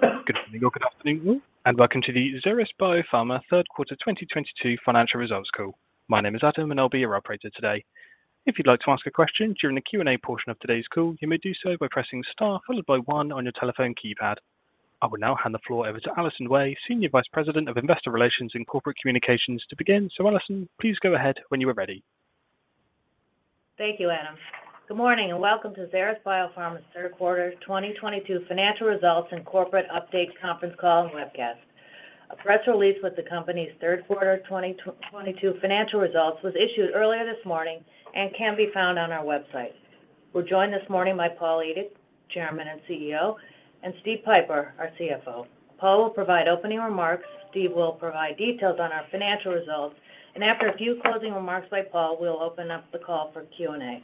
Good morning or good afternoon, and welcome to the Xeris Biopharma third quarter 2022 financial results call. My name is Adam, and I'll be your operator today. If you'd like to ask a question during the Q&A portion of today's call, you may do so by pressing star followed by one on your telephone keypad. I will now hand the floor over to Allison Wey, Senior Vice President of Investor Relations and Corporate Communications, to begin. Allison, please go ahead when you are ready. Thank you, Adam. Good morning, and welcome to Xeris Biopharma's third quarter 2022 financial results and corporate update conference call and webcast. A press release with the company's third quarter 2022 financial results was issued earlier this morning and can be found on our website. We're joined this morning by Paul Edick, Chairman and CEO, and Steven Pieper, our CFO. Paul will provide opening remarks. Steve will provide details on our financial results, and after a few closing remarks by Paul, we'll open up the call for Q&A.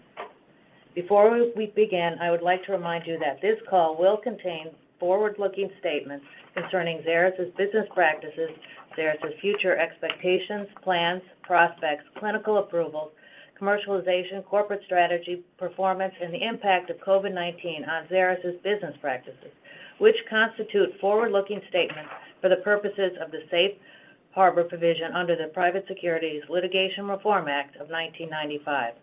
Before we begin, I would like to remind you that this call will contain forward-looking statements concerning Xeris' business practices, Xeris' future expectations, plans, prospects, clinical approvals, commercialization, corporate strategy, performance, and the impact of COVID-19 on Xeris' business practices, which constitute forward-looking statements for the purposes of the Safe Harbor provision under the Private Securities Litigation Reform Act of 1995.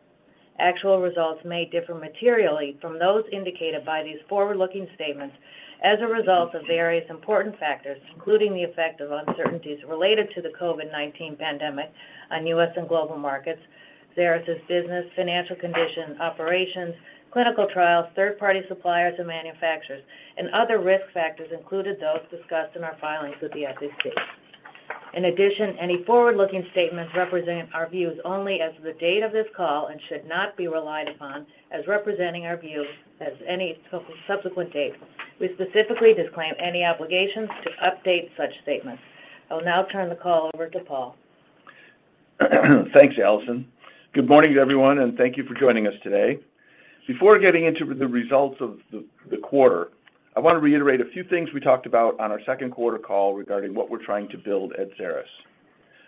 Actual results may differ materially from those indicated by these forward-looking statements as a result of various important factors, including the effect of uncertainties related to the COVID-19 pandemic on U.S. and global markets, Xeris' business, financial condition, operations, clinical trials, third-party suppliers and manufacturers, and other risk factors including those discussed in our filings with the SEC. In addition, any forward-looking statements represent our views only as of the date of this call and should not be relied upon as representing our views as any subsequent date. We specifically disclaim any obligations to update such statements. I will now turn the call over to Paul. Thanks, Allison. Good morning, everyone, and thank you for joining us today. Before getting into the results of the quarter, I wanna reiterate a few things we talked about on our second quarter call regarding what we're trying to build at Xeris.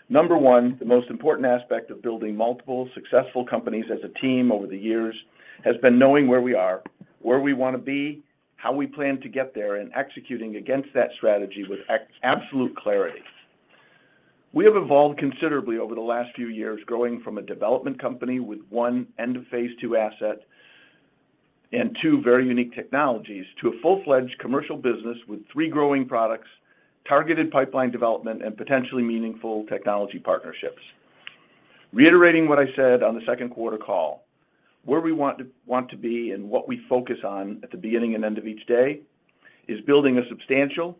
Number one, the most important aspect of building multiple successful companies as a team over the years has been knowing where we are, where we wanna be, how we plan to get there, and executing against that strategy with absolute clarity. We have evolved considerably over the last few years, growing from a development company with one end of phase two asset and two very unique technologies to a full-fledged commercial business with three growing products, targeted pipeline development, and potentially meaningful technology partnerships. Reiterating what I said on the second quarter call, where we want to be and what we focus on at the beginning and end of each day is building a substantial,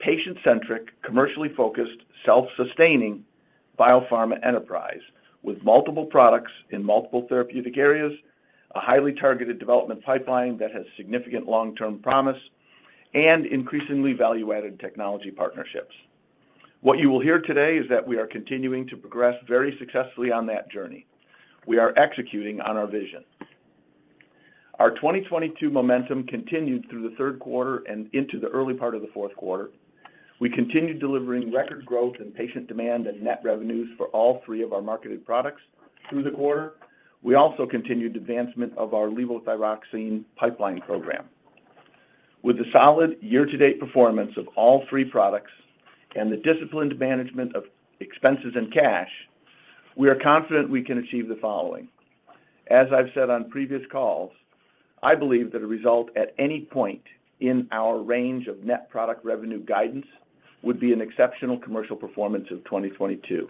patient-centric, commercially focused, self-sustaining biopharma enterprise with multiple products in multiple therapeutic areas, a highly targeted development pipeline that has significant long-term promise and increasingly value-added technology partnerships. What you will hear today is that we are continuing to progress very successfully on that journey. We are executing on our vision. Our 2022 momentum continued through the third quarter and into the early part of the fourth quarter. We continued delivering record growth and patient demand and net revenues for all three of our marketed products through the quarter. We also continued advancement of our levothyroxine pipeline program. With the solid year-to-date performance of all three products and the disciplined management of expenses and cash, we are confident we can achieve the following. As I've said on previous calls, I believe that a result at any point in our range of net product revenue guidance would be an exceptional commercial performance of 2022.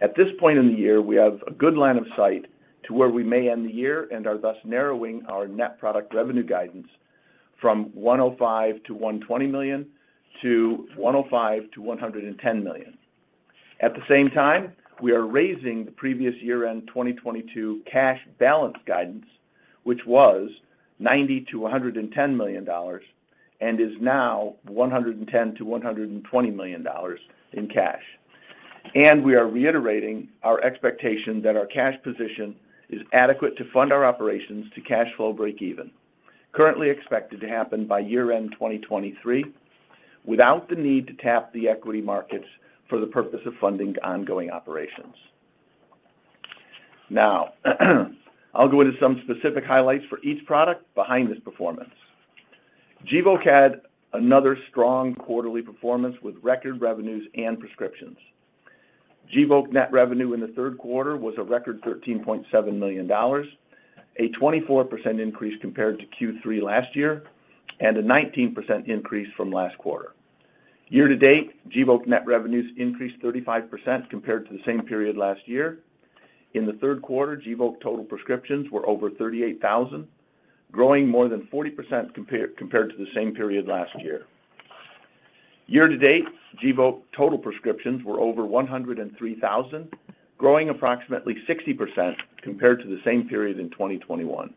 At this point in the year, we have a good line of sight to where we may end the year and are thus narrowing our net product revenue guidance from $105 million-$120 million to $105 million-$110 million. At the same time, we are raising the previous year-end 2022 cash balance guidance, which was $90 million-$110 million and is now $110 million-$120 million in cash. We are reiterating our expectation that our cash position is adequate to fund our operations to cash flow break even, currently expected to happen by year-end 2023, without the need to tap the equity markets for the purpose of funding ongoing operations. Now, I'll go into some specific highlights for each product behind this performance. Gvoke had another strong quarterly performance with record revenues and prescriptions. Gvoke net revenue in the third quarter was a record $13.7 million, a 24% increase compared to Q3 last year and a 19% increase from last quarter. Year to date, Gvoke net revenues increased 35% compared to the same period last year. In the third quarter, Gvoke total prescriptions were over 38,000, growing more than 40% compared to the same period last year. Year to date, Gvoke total prescriptions were over 103,000, growing approximately 60% compared to the same period in 2021.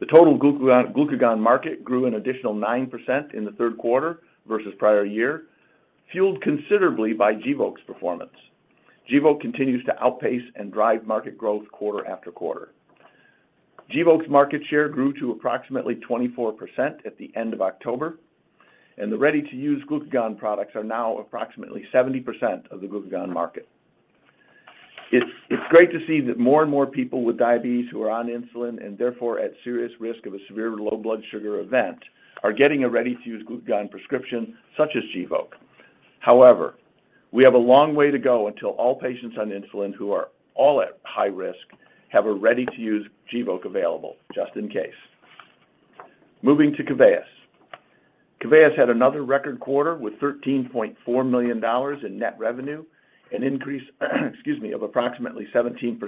The total glucagon market grew an additional 9% in the third quarter versus prior year, fueled considerably by Gvoke's performance. Gvoke continues to outpace and drive market growth quarter after quarter. Gvoke's market share grew to approximately 24% at the end of October, and the ready-to-use glucagon products are now approximately 70% of the glucagon market. It's great to see that more and more people with diabetes who are on insulin, and therefore at serious risk of a severe low blood sugar event, are getting a ready-to-use glucagon prescription such as Gvoke. However, we have a long way to go until all patients on insulin who are all at high risk have a ready-to-use Gvoke available just in case. Moving to Keveyis. Keveyis had another record quarter with $13.4 million in net revenue, an increase excuse me, of approximately 17%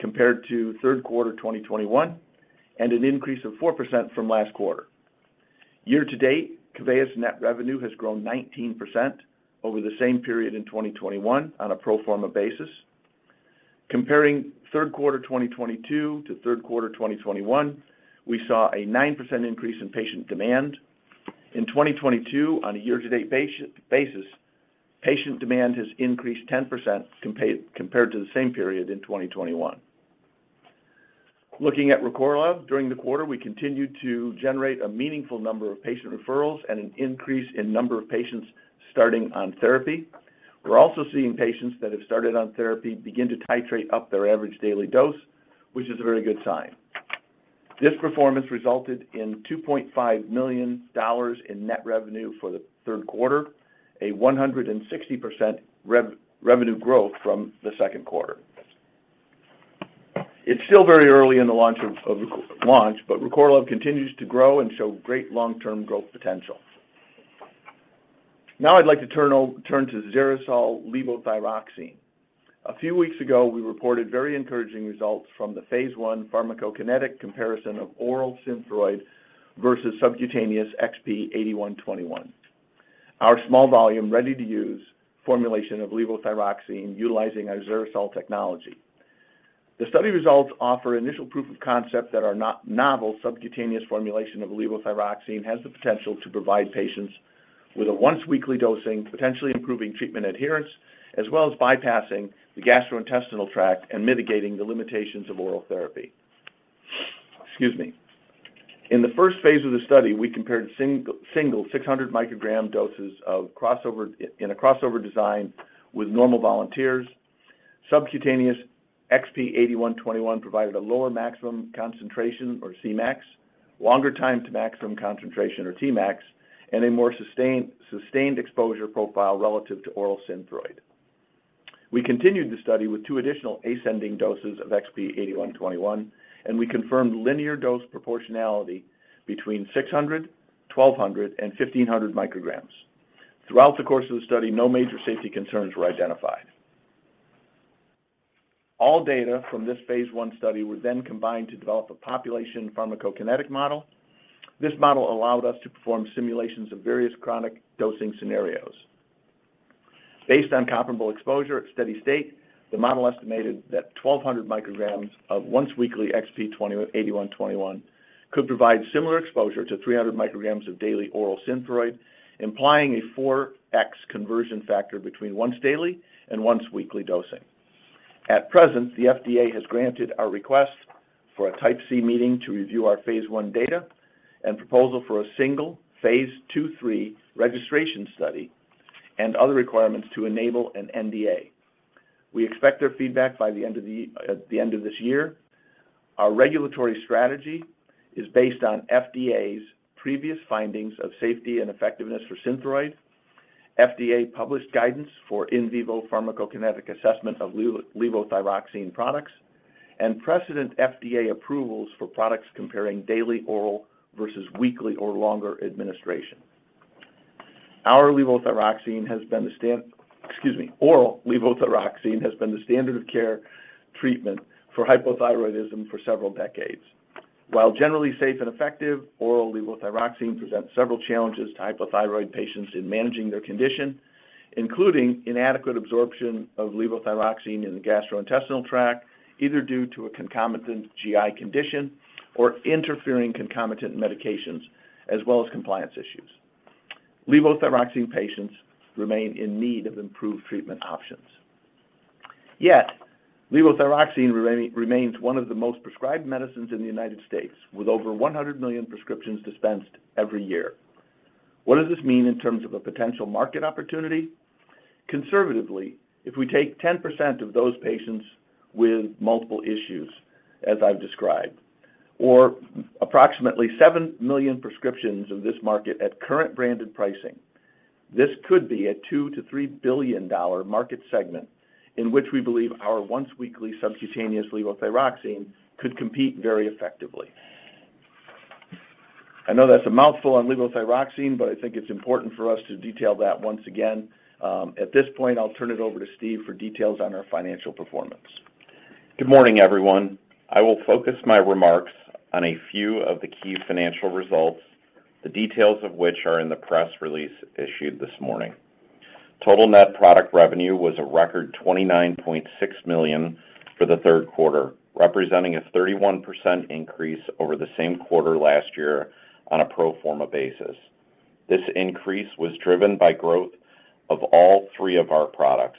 compared to third quarter 2021, and an increase of 4% from last quarter. Year-to-date, Keveyis net revenue has grown 19% over the same period in 2021 on a pro forma basis. Comparing third quarter 2022 to third quarter 2021, we saw a 9% increase in patient demand. In 2022, on a year-to-date basis, patient demand has increased 10% compared to the same period in 2021. Looking at Recorlev, during the quarter, we continued to generate a meaningful number of patient referrals and an increase in number of patients starting on therapy. We're also seeing patients that have started on therapy begin to titrate up their average daily dose, which is a very good sign. This performance resulted in $2.5 million in net revenue for the third quarter, a 160% revenue growth from the second quarter. It's still very early in the launch of Recorlev, but Recorlev continues to grow and show great long-term growth potential. Now I'd like to turn to XeriSol levothyroxine. A few weeks ago, we reported very encouraging results from the phase I pharmacokinetic comparison of oral Synthroid versus subcutaneous XP-8121, our small volume, ready-to-use formulation of levothyroxine utilizing our XeriSol technology. The study results offer initial proof of concept that our novel subcutaneous formulation of levothyroxine has the potential to provide patients with a once-weekly dosing, potentially improving treatment adherence, as well as bypassing the gastrointestinal tract and mitigating the limitations of oral therapy. Excuse me. In the first phase of the study, we compared single 600 microgram doses in a crossover design with normal volunteers. Subcutaneous XP-8121 provided a lower maximum concentration or Cmax, longer time to maximum concentration or Tmax, and a more sustained exposure profile relative to oral Synthroid. We continued the study with two additional ascending doses of XP-8121, and we confirmed linear dose proportionality between 600, 1200, and 1500 micrograms. Throughout the course of the study, no major safety concerns were identified. All data from this phase I study were then combined to develop a population pharmacokinetic model. This model allowed us to perform simulations of various chronic dosing scenarios. Based on comparable exposure at steady state, the model estimated that 1,200 micrograms of once-weekly XP-8121 could provide similar exposure to 300 micrograms of daily oral Synthroid, implying a 4x conversion factor between once daily and once weekly dosing. At present, the FDA has granted our request for a Type C meeting to review our phase 1 data and proposal for a single phase II/III registration study and other requirements to enable an NDA. We expect their feedback by the end of this year. Our regulatory strategy is based on FDA's previous findings of safety and effectiveness for Synthroid, FDA-published guidance for in vivo pharmacokinetic assessment of levothyroxine products, and precedent FDA approvals for products comparing daily oral versus weekly or longer administration. Our levothyroxine has been the standard. Excuse me. Oral levothyroxine has been the standard of care treatment for hypothyroidism for several decades. While generally safe and effective, oral levothyroxine presents several challenges to hypothyroid patients in managing their condition, including inadequate absorption of levothyroxine in the gastrointestinal tract, either due to a concomitant GI condition or interfering concomitant medications, as well as compliance issues. Levothyroxine patients remain in need of improved treatment options. Yet levothyroxine remains one of the most prescribed medicines in the United States, with over 100 million prescriptions dispensed every year. What does this mean in terms of a potential market opportunity? Conservatively, if we take 10% of those patients with multiple issues, as I've described, or approximately 7 million prescriptions of this market at current branded pricing, this could be a $2 billion-$3 billion market segment in which we believe our once-weekly subcutaneous levothyroxine could compete very effectively. I know that's a mouthful on levothyroxine, but I think it's important for us to detail that once again. At this point, I'll turn it over to Steve for details on our financial performance. Good morning, everyone. I will focus my remarks on a few of the key financial results, the details of which are in the press release issued this morning. Total net product revenue was a record $29.6 million for the third quarter, representing a 31% increase over the same quarter last year on a pro forma basis. This increase was driven by growth of all three of our products.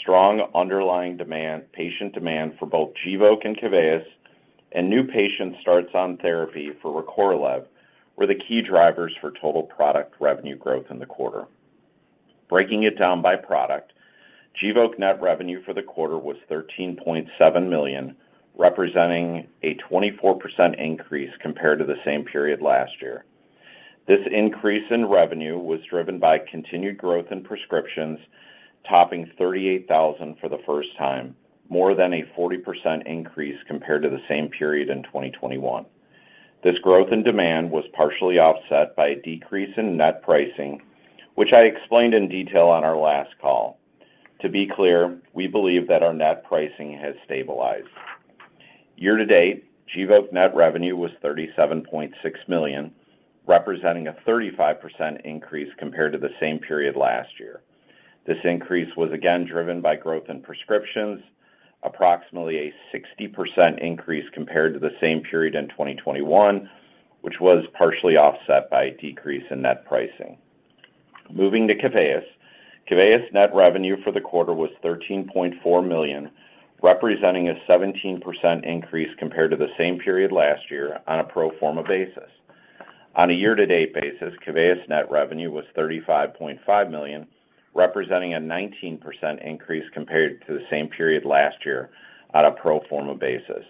Strong underlying demand, patient demand for both Gvoke and Keveyis, and new patient starts on therapy for Recorlev were the key drivers for total product revenue growth in the quarter. Breaking it down by product, Gvoke net revenue for the quarter was $13.7 million, representing a 24% increase compared to the same period last year. This increase in revenue was driven by continued growth in prescriptions, topping 38,000 for the first time, more than a 40% increase compared to the same period in 2021. This growth in demand was partially offset by a decrease in net pricing, which I explained in detail on our last call. To be clear, we believe that our net pricing has stabilized. Year-to-date, Gvoke net revenue was $37.6 million, representing a 35% increase compared to the same period last year. This increase was again driven by growth in prescriptions, approximately a 60% increase compared to the same period in 2021, which was partially offset by a decrease in net pricing. Moving to Keveyis. Keveyis net revenue for the quarter was $13.4 million, representing a 17% increase compared to the same period last year on a pro forma basis. On a year-to-date basis, Keveyis net revenue was $35.5 million, representing a 19% increase compared to the same period last year on a pro forma basis.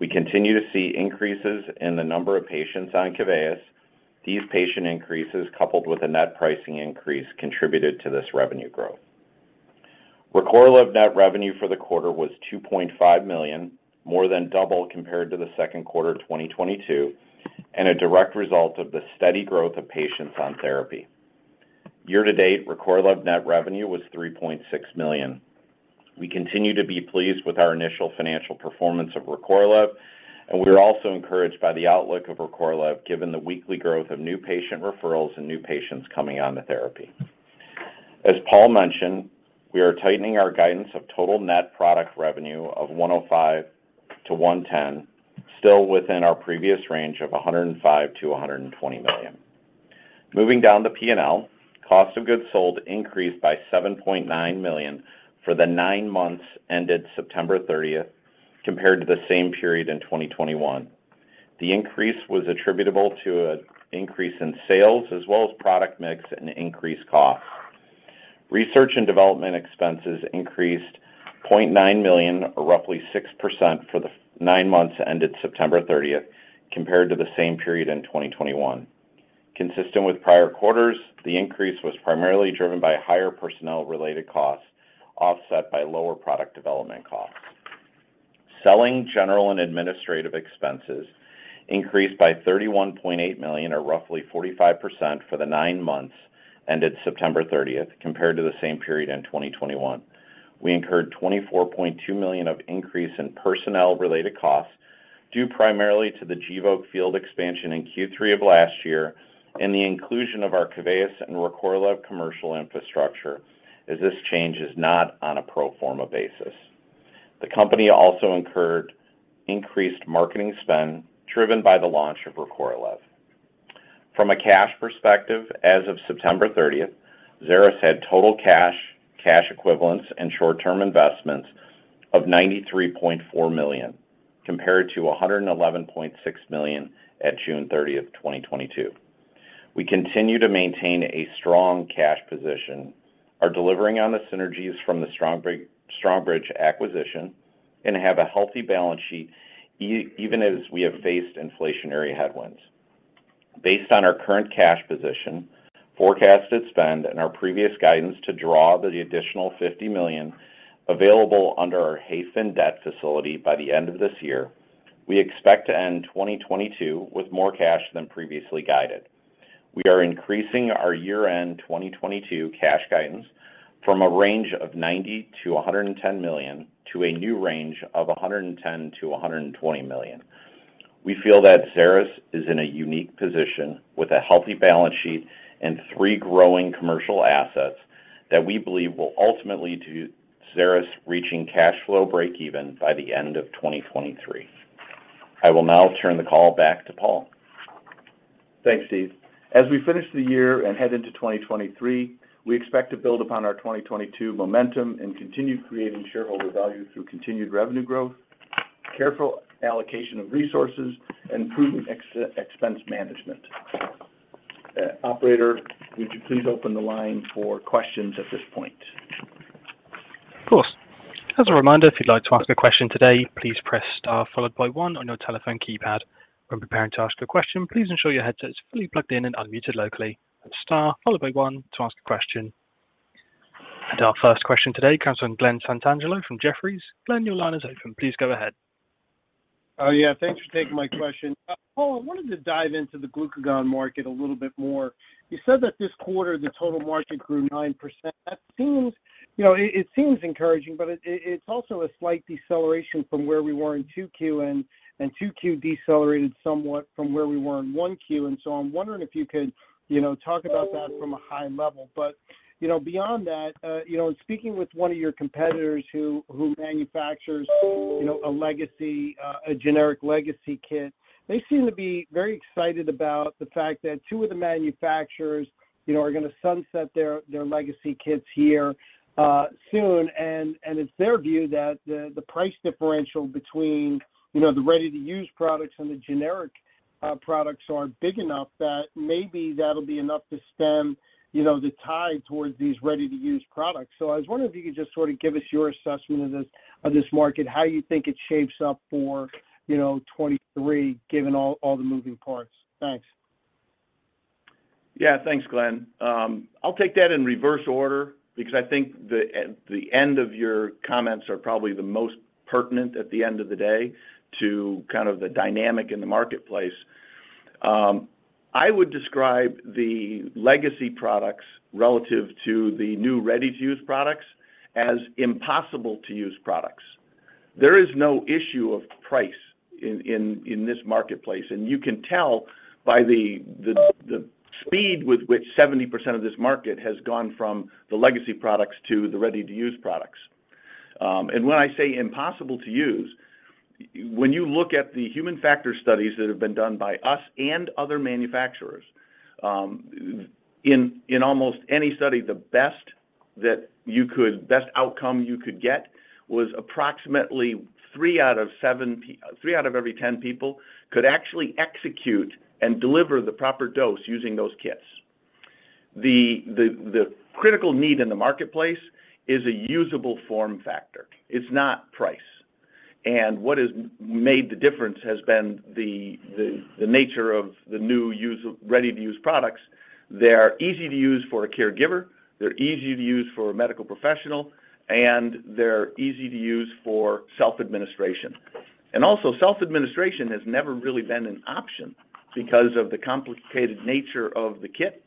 We continue to see increases in the number of patients on Keveyis. These patient increases, coupled with a net pricing increase, contributed to this revenue growth. Recorlev net revenue for the quarter was $2.5 million, more than double compared to the second quarter of 2022, and a direct result of the steady growth of patients on therapy. Year-to-date, Recorlev net revenue was $3.6 million. We continue to be pleased with our initial financial performance of Recorlev, and we are also encouraged by the outlook of Recorlev given the weekly growth of new patient referrals and new patients coming on to therapy. As Paul mentioned, we are tightening our guidance of total net product revenue of $105 million-$110 million, still within our previous range of $105 million-$120 million. Moving down to P&L, cost of goods sold increased by $7.9 million for the nine months ended September 30th compared to the same period in 2021. The increase was attributable to an increase in sales as well as product mix and increased costs. Research and development expenses increased $0.9 million, or roughly 6%, for the nine months ended September 30th compared to the same period in 2021. Consistent with prior quarters, the increase was primarily driven by higher personnel-related costs offset by lower product development costs. Selling, general, and administrative expenses increased by $31.8 million, or roughly 45%, for the nine months ended September 30 compared to the same period in 2021. We incurred $24.2 million of increase in personnel-related costs due primarily to the Gvoke field expansion in Q3 of last year and the inclusion of our Keveyis and Recorlev commercial infrastructure, as this change is not on a pro forma basis. The company also incurred increased marketing spend driven by the launch of Recorlev. From a cash perspective, as of September 30th, Xeris had total cash equivalents, and short-term investments of $93.4 million, compared to $111.6 million at June 30th, 2022. We continue to maintain a strong cash position, are delivering on the synergies from the Strongbridge acquisition, and have a healthy balance sheet even as we have faced inflationary headwinds. Based on our current cash position, forecasted spend, and our previous guidance to draw the additional $50 million available under our Hayfin debt facility by the end of this year, we expect to end 2022 with more cash than previously guided. We are increasing our year-end 2022 cash guidance from a range of $90 million-$110 million to a new range of $110 million-$120 million. We feel that Xeris is in a unique position with a healthy balance sheet and three growing commercial assets that we believe will ultimately lead to Xeris reaching cash flow breakeven by the end of 2023. I will now turn the call back to Paul. Thanks, Steve. As we finish the year and head into 2023, we expect to build upon our 2022 momentum and continue creating shareholder value through continued revenue growth, careful allocation of resources, and prudent expense management. Operator, would you please open the line for questions at this point? Of course. As a reminder, if you'd like to ask a question today, please press star followed by one on your telephone keypad. When preparing to ask a question, please ensure your headset is fully plugged in and unmuted locally. Star followed by one to ask a question. Our first question today comes from Glen Santangelo from Jefferies. Glen, your line is open. Please go ahead. Thanks for taking my question. Paul, I wanted to dive into the glucagon market a little bit more. You said that this quarter, the total market grew 9%. That seems, you know, it seems encouraging, but it's also a slight deceleration from where we were in 2Q, and 2Q decelerated somewhat from where we were in 1Q. I'm wondering if you could, you know, talk about that from a high level. You know, beyond that, you know, in speaking with one of your competitors who manufactures a generic legacy kit, they seem to be very excited about the fact that two of the manufacturers are gonna sunset their legacy kits here soon. It's their view that the price differential between, you know, the ready-to-use products and the generic products aren't big enough that maybe that'll be enough to stem, you know, the tide towards these ready-to-use products. I was wondering if you could just sort of give us your assessment of this market, how you think it shapes up for 2023 given all the moving parts. Thanks. Yeah. Thanks, Glenn. I'll take that in reverse order because I think the end of your comments are probably the most pertinent at the end of the day to kind of the dynamic in the marketplace. I would describe the legacy products relative to the new ready-to-use products as impossible to use products. There is no issue of price in this marketplace, and you can tell by the speed with which 70% of this market has gone from the legacy products to the ready-to-use products. When I say impossible to use, when you look at the human factor studies that have been done by us and other manufacturers, in almost any study, the best outcome you could get was approximately three out of every 10 people could actually execute and deliver the proper dose using those kits. The critical need in the marketplace is a usable form factor. It's not price. What has made the difference has been the nature of the new ready-to-use products. They're easy to use for a caregiver, they're easy to use for a medical professional, and they're easy to use for self-administration. Self-administration has never really been an option because of the complicated nature of the kit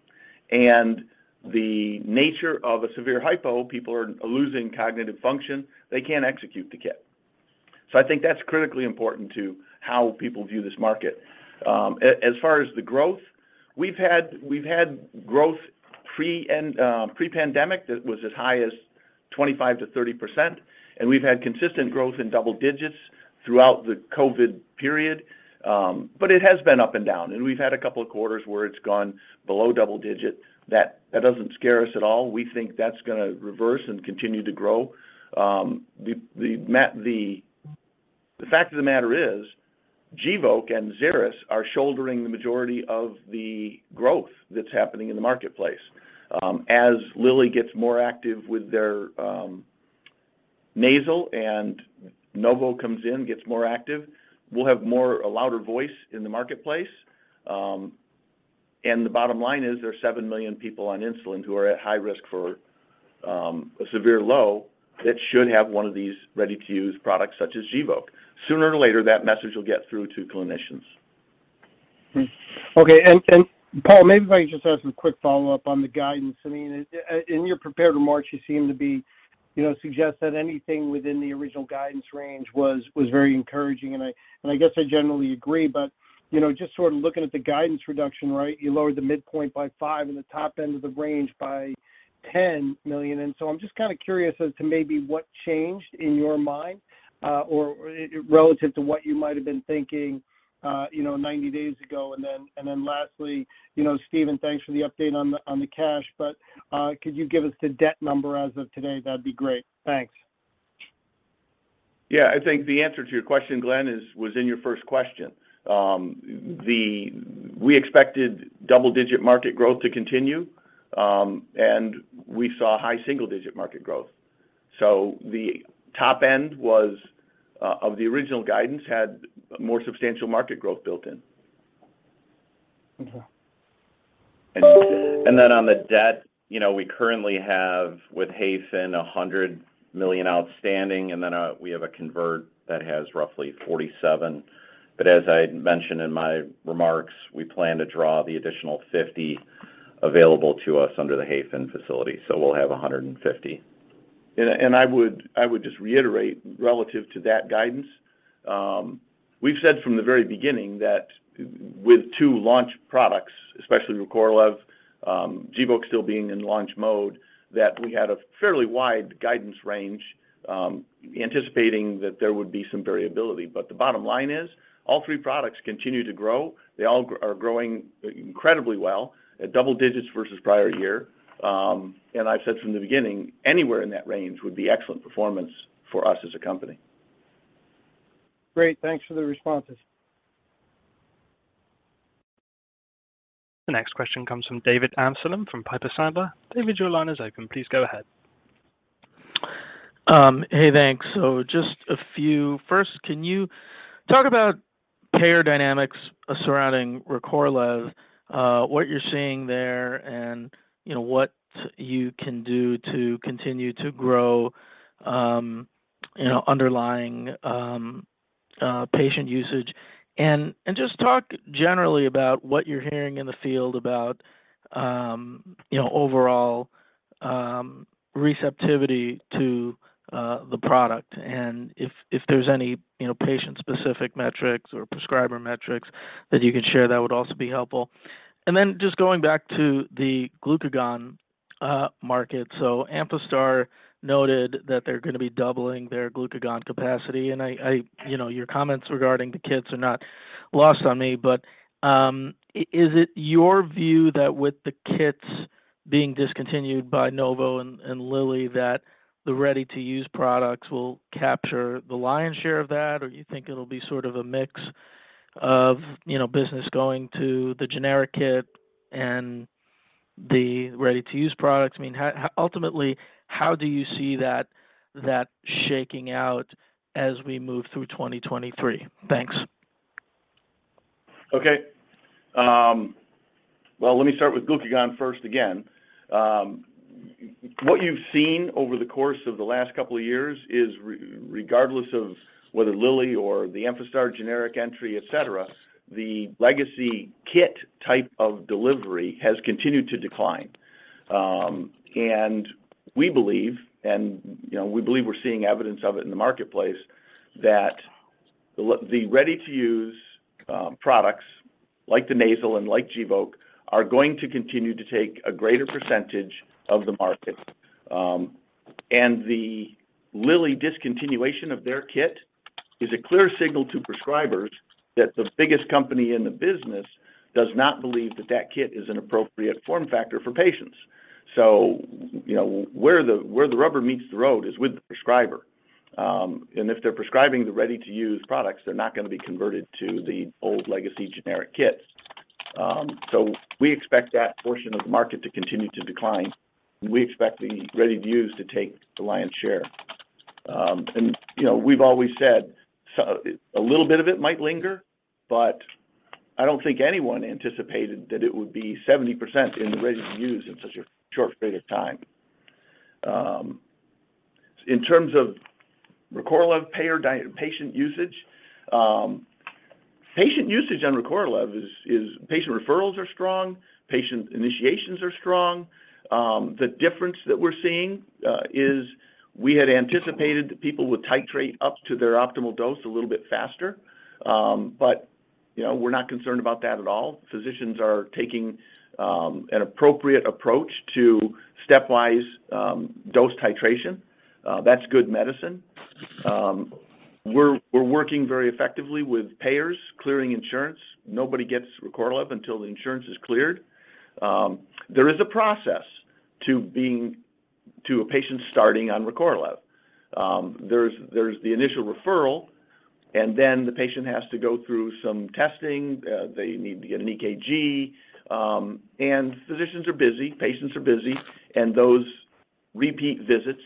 and the nature of a severe hypo. People are losing cognitive function. They can't execute the kit. I think that's critically important to how people view this market. As far as the growth, we've had growth pre and pre-pandemic that was as high as 25%-30%, and we've had consistent growth in double digits throughout the COVID period. It has been up and down, and we've had a couple of quarters where it's gone below double digit. That doesn't scare us at all. We think that's gonna reverse and continue to grow. The fact of the matter is Gvoke and Xeris are shouldering the majority of the growth that's happening in the marketplace. As Lilly gets more active with their nasal and Novo comes in, gets more active, we'll have a louder voice in the marketplace. The bottom line is, there's 7 million people on insulin who are at high risk for a severe low that should have one of these ready-to-use products such as Gvoke. Sooner or later, that message will get through to clinicians. Okay. Paul, maybe if I could just ask a quick follow-up on the guidance. I mean, in your prepared remarks, you seem to be, you know, suggest that anything within the original guidance range was very encouraging, and I guess I generally agree, but, you know, just sort of looking at the guidance reduction, right? You lowered the midpoint by $5 million and the top end of the range by $10 million. I'm just kind of curious as to maybe what changed in your mind, or relative to what you might have been thinking, you know, 90 days ago. Then lastly, you know, Steven, thanks for the update on the cash, but could you give us the debt number as of today? That'd be great. Thanks. Yeah. I think the answer to your question, Glenn, was in your first question. We expected double-digit market growth to continue, and we saw high single-digit market growth. The top end of the original guidance had more substantial market growth built in. Okay. On the debt, you know, we currently have with Hayfin $100 million outstanding, and then we have a convert that has roughly $47 million. As I mentioned in my remarks, we plan to draw the additional $50 million available to us under the Hayfin facility. We'll have $150 million. I would just reiterate relative to that guidance, we've said from the very beginning that with two launch products, especially Recorlev, Gvoke still being in launch mode, that we had a fairly wide guidance range, anticipating that there would be some variability. The bottom line is all three products continue to grow. They all are growing incredibly well at double digits versus prior year. I've said from the beginning, anywhere in that range would be excellent performance for us as a company. Great. Thanks for the responses. The next question comes from David Amsellem from Piper Sandler. David, your line is open. Please go ahead. Hey, thanks. Just a few. First, can you talk about payer dynamics surrounding Recorlev, what you're seeing there and, you know, what you can do to continue to grow, you know, underlying patient usage? Just talk generally about what you're hearing in the field about, you know, overall receptivity to the product. If there's any, you know, patient-specific metrics or prescriber metrics that you could share, that would also be helpful. Just going back to the glucagon market. Amphastar noted that they're gonna be doubling their glucagon capacity. You know, your comments regarding the kits are not lost on me. Is it your view that with the kits being discontinued by Novo and Lilly, that the ready-to-use products will capture the lion's share of that, or you think it'll be sort of a mix of, you know, business going to the generic kit and the ready-to-use products. I mean, ultimately, how do you see that shaking out as we move through 2023? Thanks. Okay. Well, let me start with glucagon first again. What you've seen over the course of the last couple of years is regardless of whether Lilly or the Amphastar generic entry, et cetera, the legacy kit type of delivery has continued to decline. We believe, you know, we're seeing evidence of it in the marketplace, that the ready-to-use products like the nasal and like Gvoke are going to continue to take a greater percentage of the market. The Lilly discontinuation of their kit is a clear signal to prescribers that the biggest company in the business does not believe that that kit is an appropriate form factor for patients. You know, where the rubber meets the road is with the prescriber. If they're prescribing the ready-to-use products, they're not gonna be converted to the old legacy generic kits. We expect that portion of the market to continue to decline, and we expect the ready-to-use to take the lion's share. You know, we've always said a little bit of it might linger, but I don't think anyone anticipated that it would be 70% in the ready-to-use in such a short period of time. In terms of Recorlev patient usage, patient usage on Recorlev is patient referrals are strong, patient initiations are strong. The difference that we're seeing is we had anticipated that people would titrate up to their optimal dose a little bit faster. You know, we're not concerned about that at all. Physicians are taking an appropriate approach to stepwise dose titration. That's good medicine. We're working very effectively with payers, clearing insurance. Nobody gets Recorlev until the insurance is cleared. There is a process to a patient starting on Recorlev. There's the initial referral, and then the patient has to go through some testing. They need to get an EKG. Physicians are busy, patients are busy, and those repeat visits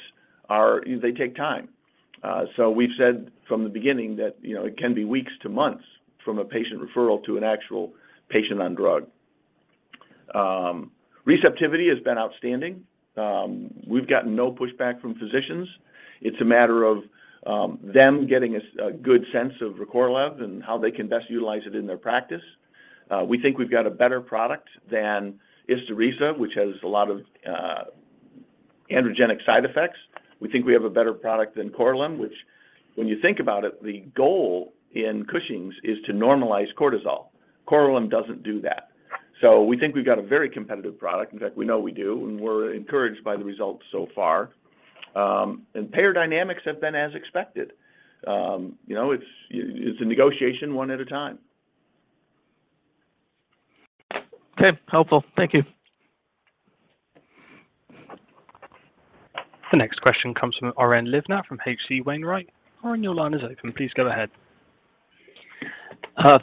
take time. We've said from the beginning that, you know, it can be weeks to months from a patient referral to an actual patient on drug. Receptivity has been outstanding. We've gotten no pushback from physicians. It's a matter of them getting a good sense of Recorlev and how they can best utilize it in their practice. We think we've got a better product than Isturisa, which has a lot of androgenic side effects. We think we have a better product than Korlym, which when you think about it, the goal in Cushing's is to normalize cortisol. Korlym doesn't do that. We think we've got a very competitive product. In fact, we know we do, and we're encouraged by the results so far. Payer dynamics have been as expected. You know, it's a negotiation one at a time. Okay. Helpful. Thank you. The next question comes from Oren Livnat from H.C. Wainwright & Co. Oren, your line is open. Please go ahead.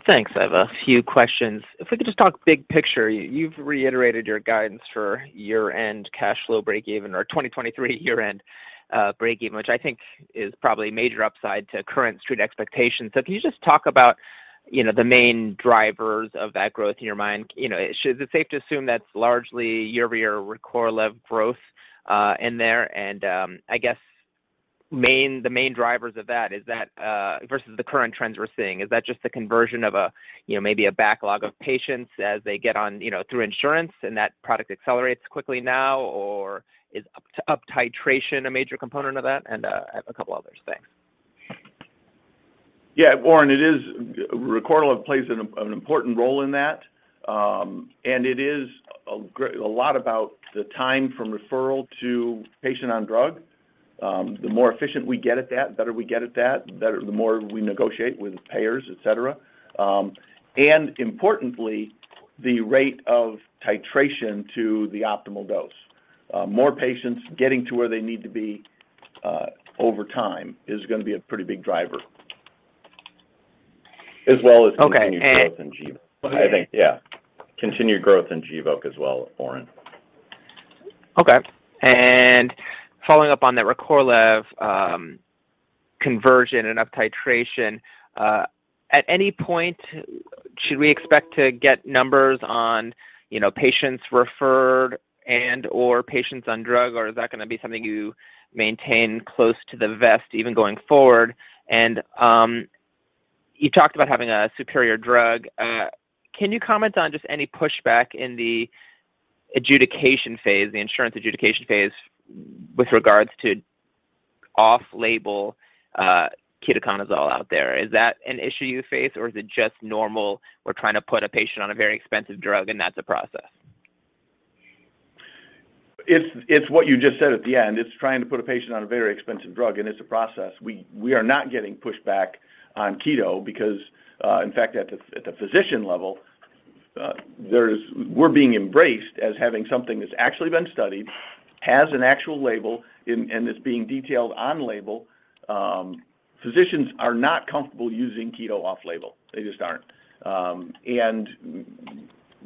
Thanks. I have a few questions. If we could just talk big picture, you've reiterated your guidance for year-end cash flow breakeven or 2023 year-end breakeven, which I think is probably a major upside to current Street expectations. Can you just talk about, you know, the main drivers of that growth in your mind? You know, is it safe to assume that's largely year-over-year Recorlev growth in there? I guess the main drivers of that, is that versus the current trends we're seeing, is that just the conversion of a, you know, maybe a backlog of patients as they get on, you know, through insurance and that product accelerates quickly now? Or is up titration a major component of that? A couple others. Thanks. Yeah, Oren, it is. Recorlev plays an important role in that. It is a lot about the time from referral to patient on drug. The more efficient we get at that, the better we get at that, the more we negotiate with payers, et cetera. Importantly, the rate of titration to the optimal dose. More patients getting to where they need to be over time is gonna be a pretty big driver. As well as. Okay. Continued growth in Gvoke. Go ahead. I think, yeah. Continued growth in Gvoke as well, Oren. Okay. Following up on that Recorlev, conversion and up titration, at any point, should we expect to get numbers on, you know, patients referred and/or patients on drug, or is that gonna be something you maintain close to the vest even going forward? You talked about having a superior drug. Can you comment on just any pushback in the adjudication phase, the insurance adjudication phase with regards to off-label, ketoconazole out there? Is that an issue you face or is it just normal, we're trying to put a patient on a very expensive drug and that's a process? It's what you just said at the end. It's trying to put a patient on a very expensive drug and it's a process. We are not getting pushback on ketoconazole because, in fact, at the physician level, we're being embraced as having something that's actually been studied has an actual label and is being detailed on label. Physicians are not comfortable using ketoconazole off-label. They just aren't.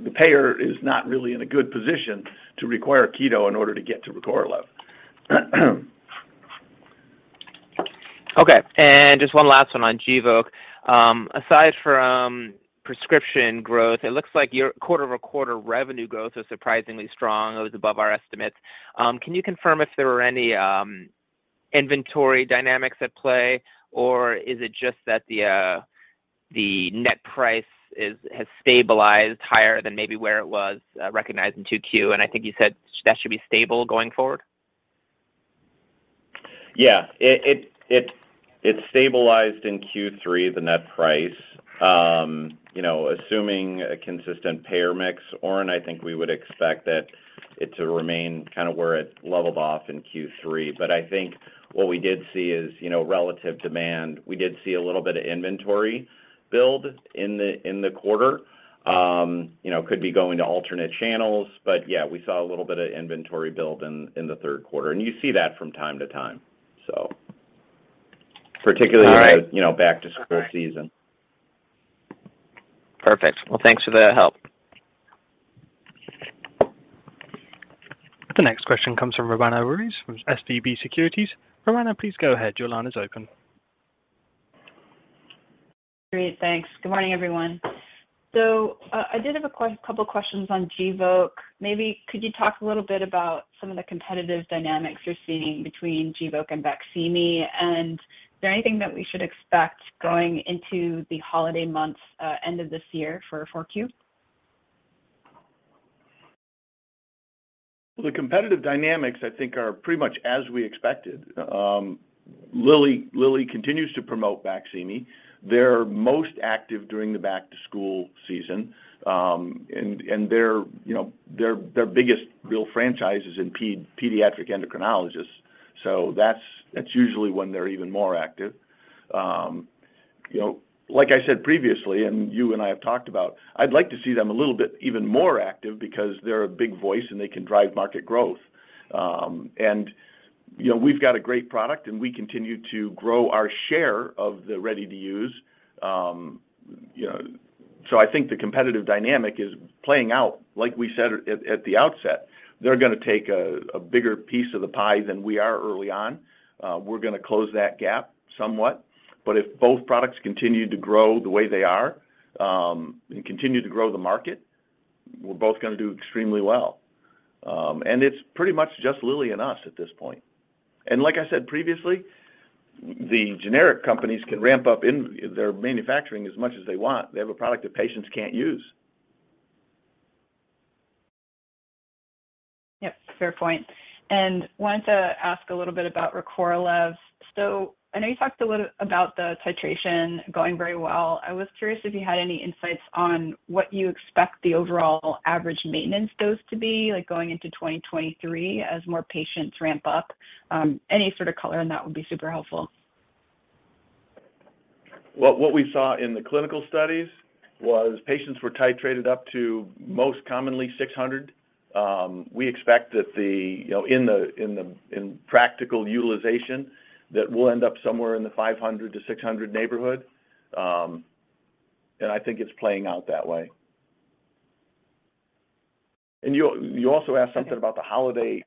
The payer is not really in a good position to require ketoconazole in order to get to Recorlev. Okay. Just one last one on Gvoke. Aside from prescription growth, it looks like your quarter-over-quarter revenue growth was surprisingly strong. It was above our estimates. Can you confirm if there were any inventory dynamics at play, or is it just that the net price has stabilized higher than maybe where it was recognized in 2Q? I think you said that should be stable going forward. Yeah. It stabilized in Q3, the net price. You know, assuming a consistent payer mix, Oren, I think we would expect that it to remain kind of where it leveled off in Q3. I think what we did see is, you know, relative demand. We did see a little bit of inventory build in the quarter. You know, could be going to alternate channels. Yeah, we saw a little bit of inventory build in the third quarter. You see that from time to time, so. All right. Particularly the, you know, back-to-school season. Perfect. Well, thanks for the help. The next question comes from Roanna Ruiz from SVB Securities. Raghuram, please go ahead. Your line is open. Great. Thanks. Good morning, everyone. I did have a couple questions on Gvoke. Maybe could you talk a little bit about some of the competitive dynamics you're seeing between Gvoke and Baqsimi? Is there anything that we should expect going into the holiday months, end of this year for 4Q? The competitive dynamics I think are pretty much as we expected. Lilly continues to promote Baqsimi. They're most active during the back-to-school season. Their you know their biggest real franchise is in pediatric endocrinologists, so that's usually when they're even more active. You know, like I said previously, and you and I have talked about, I'd like to see them a little bit even more active because they're a big voice and they can drive market growth. You know, we've got a great product, and we continue to grow our share of the ready-to-use. You know, so I think the competitive dynamic is playing out like we said at the outset. They're gonna take a bigger piece of the pie than we are early on. We're gonna close that gap somewhat. If both products continue to grow the way they are, and continue to grow the market, we're both gonna do extremely well. It's pretty much just Lilly and us at this point. Like I said previously, the generic companies can ramp up in their manufacturing as much as they want. They have a product that patients can't use. Yep, fair point. Wanted to ask a little bit about Recorlev. I know you talked a little about the titration going very well. I was curious if you had any insights on what you expect the overall average maintenance dose to be, like, going into 2023 as more patients ramp up. Any sort of color on that would be super helpful. Well, what we saw in the clinical studies was patients were titrated up to most commonly 600. We expect that you know, in the practical utilization, that we'll end up somewhere in the 500-600 neighborhood. I think it's playing out that way. You also asked something about the holiday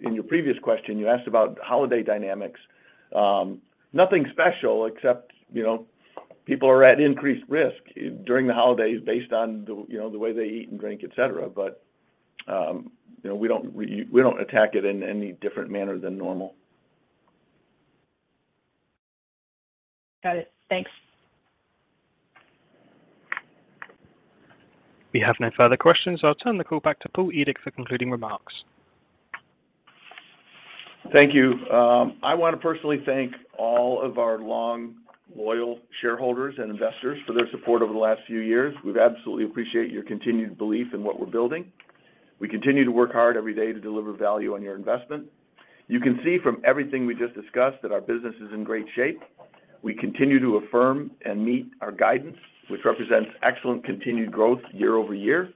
in your previous question. You asked about holiday dynamics. Nothing special except you know, people are at increased risk during the holidays based on you know, the way they eat and drink, et cetera. You know, we don't attack it in any different manner than normal. Got it. Thanks. We have no further questions. I'll turn the call back to Paul Edick for concluding remarks. Thank you. I wanna personally thank all of our long, loyal shareholders and investors for their support over the last few years. We absolutely appreciate your continued belief in what we're building. We continue to work hard every day to deliver value on your investment. You can see from everything we just discussed that our business is in great shape. We continue to affirm and meet our guidance, which represents excellent continued growth year over year.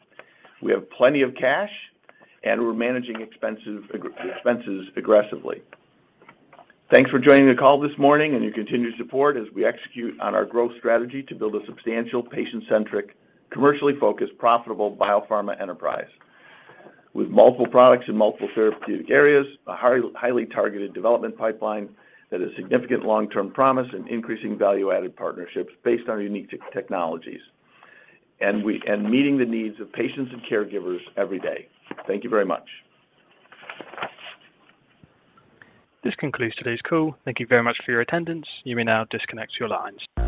We have plenty of cash, and we're managing expenses aggressively. Thanks for joining the call this morning and your continued support as we execute on our growth strategy to build a substantial, patient-centric, commercially focused, profitable biopharma enterprise. With multiple products in multiple therapeutic areas, a highly targeted development pipeline that has significant long-term promise and increasing value-added partnerships based on our unique technologies. Meeting the needs of patients and caregivers every day. Thank you very much. This concludes today's call. Thank you very much for your attendance. You may now disconnect your lines.